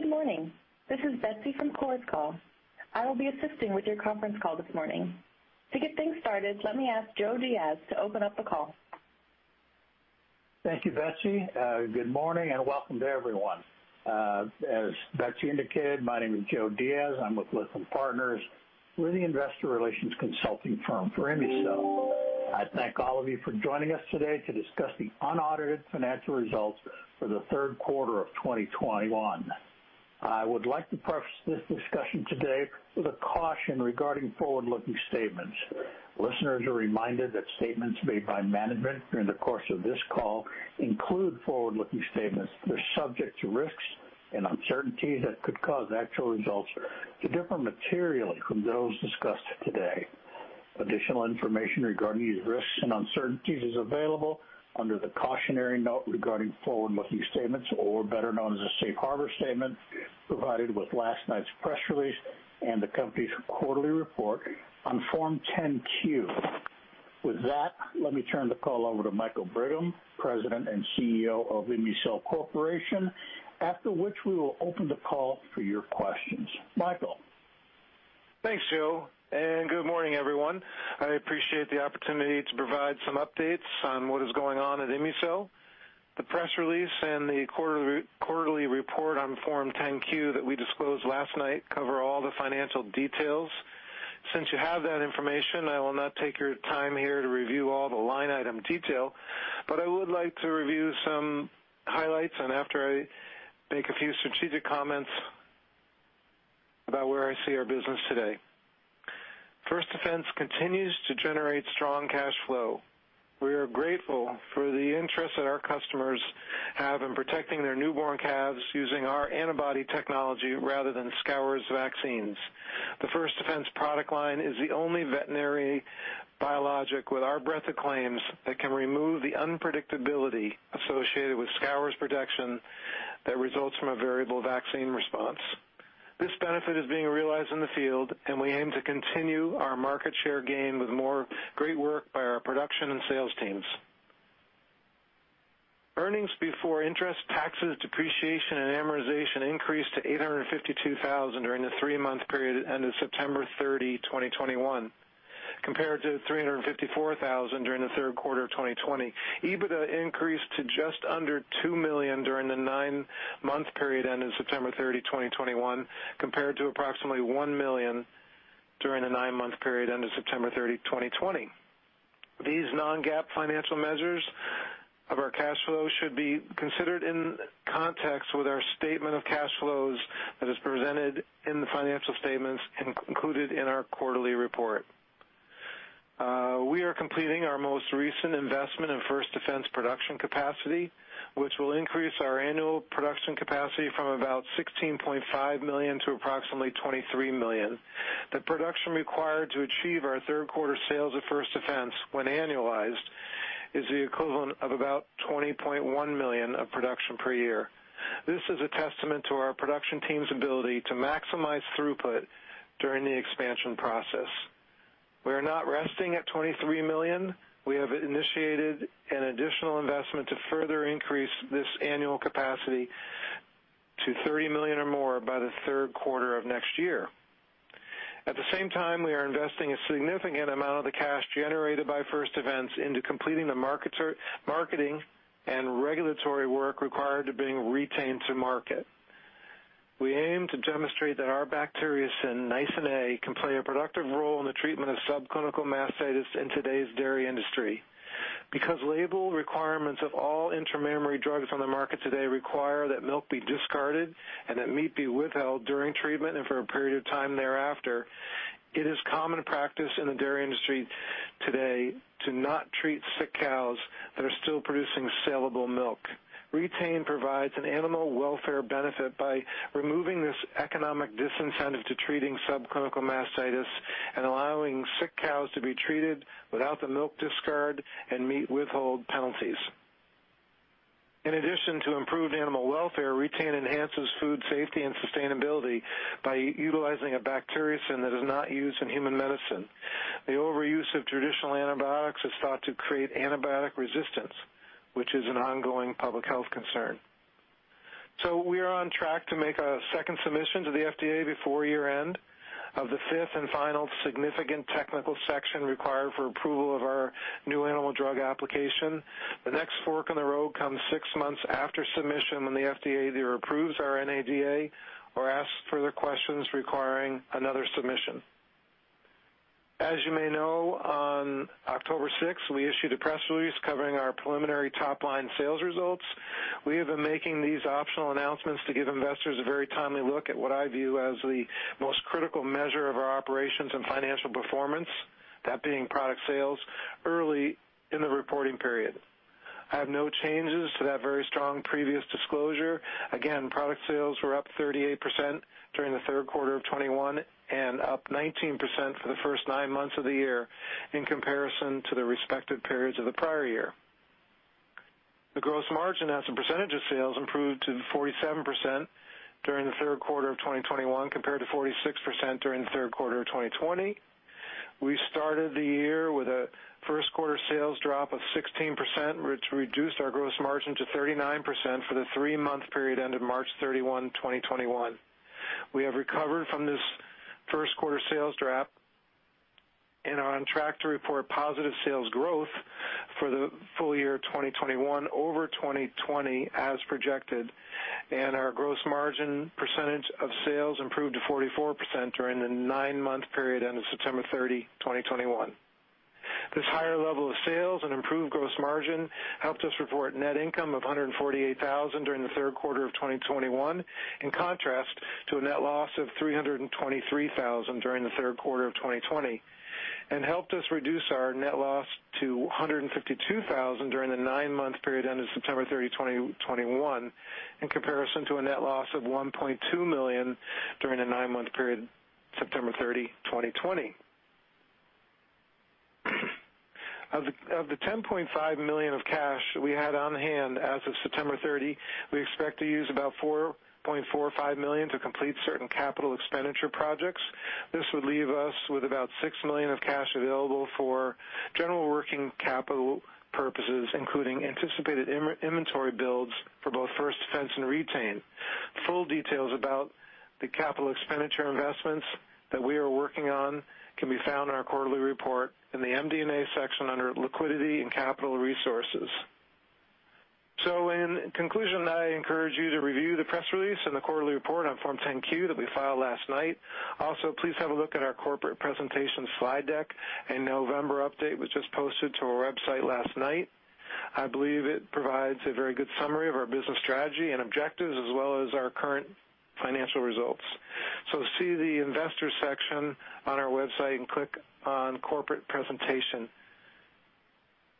Good morning. This is Betsy from Chorus Call. I will be assisting with your conference call this morning. To get things started, let me ask Joe Diaz to open up the call. Thank you, Betsy. Good morning and welcome to everyone. As Betsy indicated, my name is Joe Diaz. I'm with Lytham Partners. We're the investor relations consulting firm for ImmuCell. I thank all of you for joining us today to discuss the unaudited financial results for the third quarter of 2021. I would like to preface this discussion today with a caution regarding forward-looking statements. Listeners are reminded that statements made by management during the course of this call include forward-looking statements that are subject to risks and uncertainty that could cause actual results to differ materially from those discussed today. Additional information regarding these risks and uncertainties is available under the cautionary note regarding forward-looking statements or better known as the safe harbor statement provided with last night's press release and the company's quarterly report on Form 10-Q. With that, let me turn the call over to Michael Brigham, President and CEO of ImmuCell Corporation, after which we will open the call for your questions. Michael. Thanks, Joe, and good morning, everyone. I appreciate the opportunity to provide some updates on what is going on at ImmuCell. The press release and the quarterly report on Form 10-Q that we disclosed last night cover all the financial details. Since you have that information, I will not take your time here to review all the line item detail, but I would like to review some highlights and after I make a few strategic comments about where I see our business today. First Defense continues to generate strong cash flow. We are grateful for the interest that our customers have in protecting their newborn calves using our antibody technology rather than scours vaccines. The First Defense product line is the only veterinary biologic with our breadth of claims that can remove the unpredictability associated with scours protection that results from a variable vaccine response. This benefit is being realized in the field, and we aim to continue our market share gain with more great work by our production and sales teams. Earnings before interest, taxes, depreciation, and amortization increased to $852,000 during the three-month period ending September 30, 2021, compared to $354,000 during the third quarter of 2020. EBITDA increased to just under $2 million during the nine-month period ending September 30, 2021, compared to approximately $1 million during the nine-month period ending September 30, 2020. These non-GAAP financial measures of our cash flow should be considered in context with our statement of cash flows that is presented in the financial statements included in our quarterly report. We are completing our most recent investment in First Defense production capacity, which will increase our annual production capacity from about 16.5 million to approximately 23 million. The production required to achieve our third quarter sales of First Defense when annualized is the equivalent of about 20.1 million of production per year. This is a testament to our production team's ability to maximize throughput during the expansion process. We are not resting at 23 million. We have initiated an additional investment to further increase this annual capacity to 3 million or more by the third quarter of next year. At the same time, we are investing a significant amount of the cash generated by First Defense into completing the marketing and regulatory work required to bring Re-Tain to market. We aim to demonstrate that our bacteriocin, Nisin A, can play a productive role in the treatment of subclinical mastitis in today's dairy industry. Because label requirements of all intramammary drugs on the market today require that milk be discarded and that meat be withheld during treatment and for a period of time thereafter, it is common practice in the dairy industry today to not treat sick cows that are still producing salable milk. Re-Tain provides an animal welfare benefit by removing this economic disincentive to treating subclinical mastitis and allowing sick cows to be treated without the milk discard and meat withhold penalties. In addition to improved animal welfare, Re-Tain enhances food safety and sustainability by utilizing a bacteriocin that is not used in human medicine. The overuse of traditional antibiotics is thought to create antibiotic resistance, which is an ongoing public health concern. We are on track to make a second submission to the FDA before year-end of the fifth and final significant technical section required for approval of our new animal drug application. The next fork in the road comes six months after submission when the FDA either approves our NADA or asks further questions requiring another submission. As you may know, on October sixth, we issued a press release covering our preliminary top-line sales results. We have been making these optional announcements to give investors a very timely look at what I view as the most critical measure of our operations and financial performance, that being product sales early in the reporting period. I have no changes to that very strong previous disclosure. Again, product sales were up 38% during the third quarter of 2021 and up 19% for the first nine months of the year in comparison to the respective periods of the prior year. The gross margin as a percentage of sales improved to 47% during the third quarter of 2021 compared to 46% during the third quarter of 2020. We started the year with a first quarter sales drop of 16%, which reduced our gross margin to 39% for the three-month period ended March 31, 2021. We have recovered from this first quarter sales drop and are on track to report positive sales growth for the full year of 2021 over 2020 as projected. Our gross margin percentage of sales improved to 44% during the nine-month period ended September 30, 2021. This higher level of sales and improved gross margin helped us report net income of $148,000 during the third quarter of 2021, in contrast to a net loss of $323,000 during the third quarter of 2020. Helped us reduce our net loss to $152,000 during the nine-month period ended September 30, 2021, in comparison to a net loss of $1.2 million during the nine-month period September 30, 2020. Of the $10.5 million of cash we had on hand as of September 30, we expect to use about $4.4 or $5 million to complete certain capital expenditure projects. This would leave us with about $6 million of cash available for general working capital purposes, including anticipated inventory builds for both First Defense and Re-Tain. Full details about the capital expenditure investments that we are working on can be found in our quarterly report in the MD&A section under Liquidity and Capital Resources. In conclusion, I encourage you to review the press release and the quarterly report on Form 10-Q that we filed last night. Also, please have a look at our corporate presentation slide deck. A November update was just posted to our website last night. I believe it provides a very good summary of our business strategy and objectives as well as our current financial results. See the investor section on our website and click on Corporate Presentation.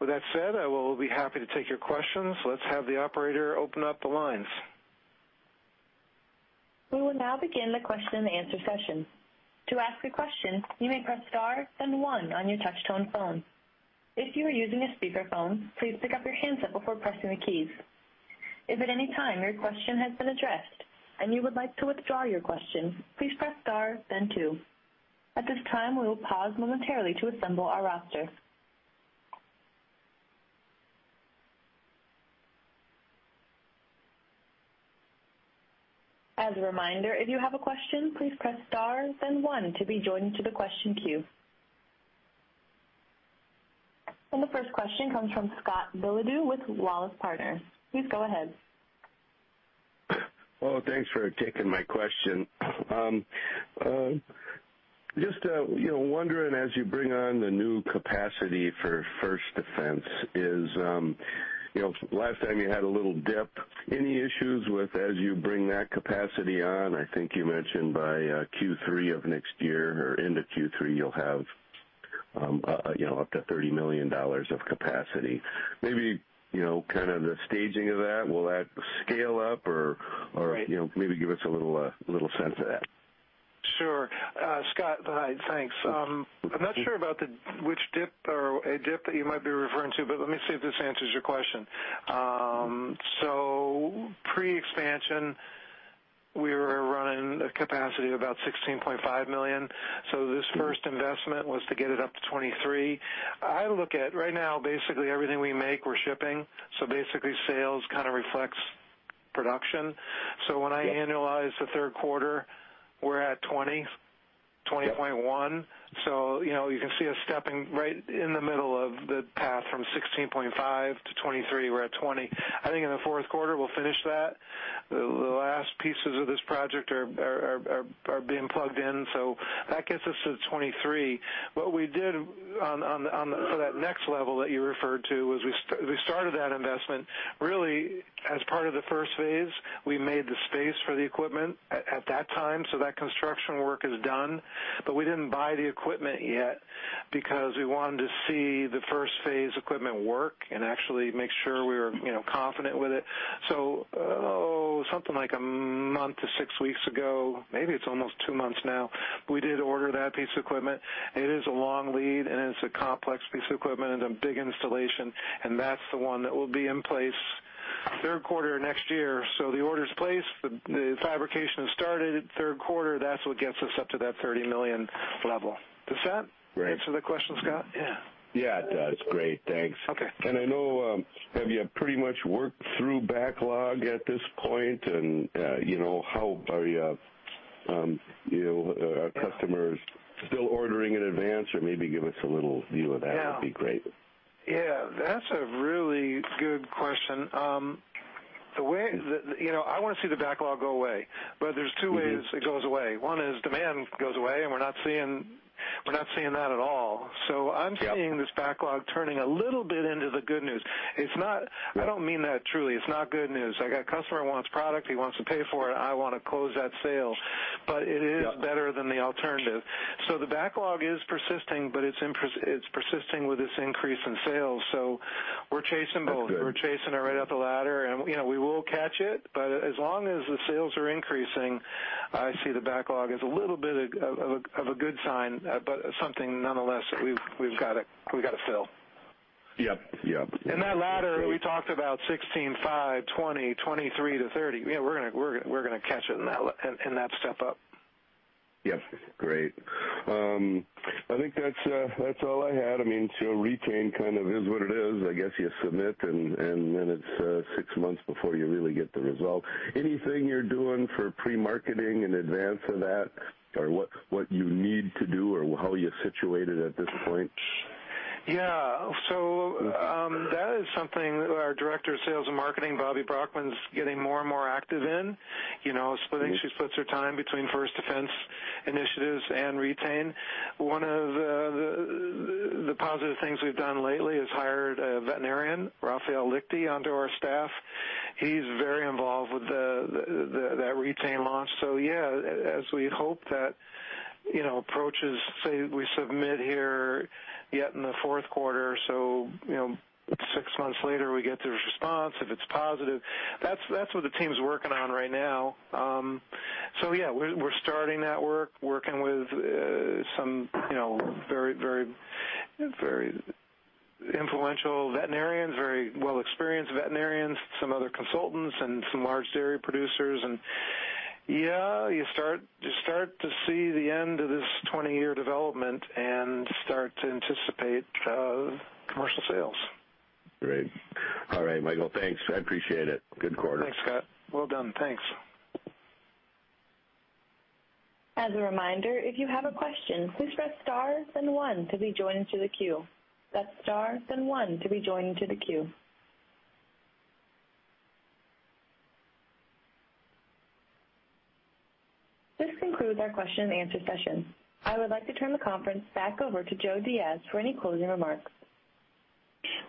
With that said, I will be happy to take your questions. Let's have the operator open up the lines. We will now begin the question and answer session. To ask a question, you may press star then one on your touchtone phone. If you are using a speakerphone, please pick up your handset before pressing the keys. If at any time your question has been addressed and you would like to withdraw your question, please press star then two. At this time, we will pause momentarily to assemble our roster. As a reminder, if you have a question, please press star then one to be joined to the question queue. The first question comes from Scott Billeadeau with Walrus Partners. Please go ahead. Well, thanks for taking my question. Just, you know, wondering as you bring on the new capacity for First Defense is, you know, last time you had a little dip. Any issues with as you bring that capacity on? I think you mentioned by Q3 of next year or into Q3, you'll have, you know, up to $30 million of capacity. Maybe, you know, kind of the staging of that, will that scale up or- Right. You know, maybe give us a little sense of that. Sure. Scott, hi. Thanks. I'm not sure about which dip or a dip that you might be referring to, but let me see if this answers your question. Pre-expansion, we were running a capacity of about 16.5 million. This first investment was to get it up to 23. Looking at right now, basically everything we make, we're shipping. Basically sales kind of reflects production. Yeah. When I annualize the third quarter, we're at $20.1. You know, you can see us stepping right in the middle of the path from $16.5-$23, we're at $20. I think in the fourth quarter we'll finish that. The last pieces of this project are being plugged in, so that gets us to $23. What we did for that next level that you referred to was we started that investment really as part of the first phase. We made the space for the equipment at that time, so that construction work is done. But we didn't buy the equipment yet because we wanted to see the first phase equipment work and actually make sure we were, you know, confident with it. Something like a month to six weeks ago, maybe it's almost two months now, we did order that piece of equipment. It is a long lead, and it's a complex piece of equipment and a big installation, and that's the one that will be in place third quarter of next year. The order's placed, the fabrication has started third quarter. That's what gets us up to that $30 million level. Does that? Right. Answer the question, Scott? Yeah. Yeah, it does. Great. Thanks. Okay. I know, have you pretty much worked through backlog at this point? You know, how are you know, are customers still ordering in advance, or maybe give us a little view of that? Yeah. Would be great. Yeah, that's a really good question. The way that you know, I wanna see the backlog go away, but there's two ways it goes away. One is demand goes away, and we're not seeing that at all. Yeah. I'm seeing this backlog turning a little bit into the good news. It's not. I don't mean that truly. It's not good news. I got customer wants product, he wants to pay for it, I wanna close that sale. Yeah. It is better than the alternative. The backlog is persisting, but it's persisting with this increase in sales, so we're chasing both. That's good. We're chasing it right up the ladder and, you know, we will catch it, but as long as the sales are increasing, I see the backlog as a little bit of a good sign, but something nonetheless that we've gotta fill. Yep, yep. In that latter, we talked about, [inaudible] 2023-2030. You know, we're gonna catch it in that step up. Yes. Great. I think that's all I had. I mean, Re-Tain kind of is what it is. I guess you submit and then it's six months before you really get the result. Anything you're doing for pre-marketing in advance of that or what you need to do or how you're situated at this point? Yeah. That is something our Director of Sales and Marketing, Bobby Brockman's getting more and more active in. You know, she splits her time between First Defense initiatives and Re-Tain. One of the positive things we've done lately is hired a veterinarian, Rafael Lichty, onto our staff. He's very involved with that Re-Tain launch. As we hope that, you know, approaches, say we submit here yet in the fourth quarter. You know, six months later we get the response if it's positive. That's what the team's working on right now. Yeah, we're starting that work, working with some, you know, very influential veterinarians, very well-experienced veterinarians, some other consultants, and some large dairy producers. Yeah, you start to see the end of this 20-year development and start to anticipate commercial sales. Great. All right, Michael, thanks. I appreciate it. Good quarter. Thanks, Scott. Well done. Thanks. As a reminder, if you have a question, please press star then one to be joined to the queue. Press star then one to be joined to the queue. This concludes our question and answer session. I would like to turn the conference back over to Joe Diaz for any closing remarks.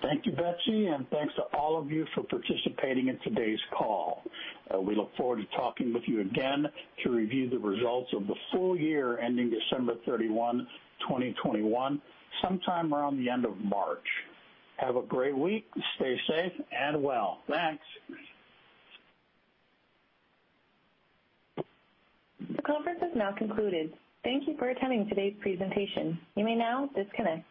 Thank you, Betsy, and thanks to all of you for participating in today's call. We look forward to talking with you again to review the results of the full year ending December 31, 2021, sometime around the end of March. Have a great week, stay safe and well. Thanks. The conference has now concluded. Thank you for attending today's presentation. You may now disconnect.